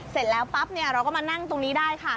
เสร็จแล้วปั๊บเนี่ยเราก็มานั่งตรงนี้ได้ค่ะ